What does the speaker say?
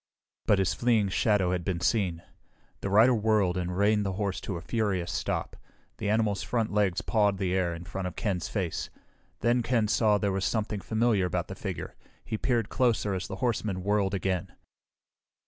But his fleeing shadow had been seen. The rider whirled and reined the horse to a furious stop. The animal's front legs pawed the air in front of Ken's face. Then Ken saw there was something familiar about the figure. He peered closer as the horseman whirled again.